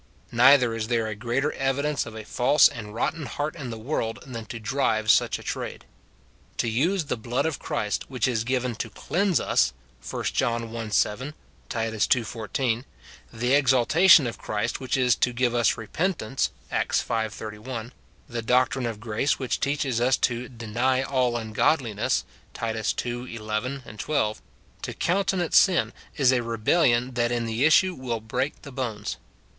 Neither is there a greater evidence of a false and rotten heart in the world than to drive such a trade. To use the blood of Christ, which is given to cleanse us, 1 John i. 7, Tit. ii. 14 ; the exaltation of Christ, which is to give us repentance, Acts V. ol; the doctrine of grace, which teaches us to deny all SIN IN BELIEVERS. 165 ungodliness, Tit. ii. 11, 12, to countenance sm, is a rebellion that in the issue will break the bones.